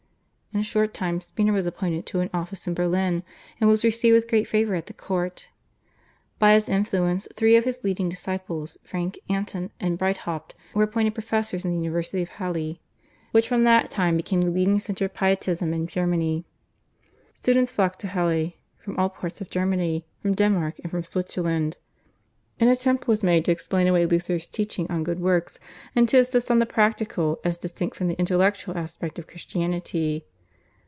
In a short time Spener was appointed to an office in Berlin and was received with great favour at the court. By his influence three of his leading disciples, Franke, Anton, and Breithaupt were appointed professors in the University of Halle, which from that time became the leading centre of Pietism in Germany. Students flocked to Halle from all parts of Germany, from Denmark, and from Switzerland. An attempt was made to explain away Luther's teaching on good works, and to insist on the practical as distinct from the intellectual aspect of Christianity.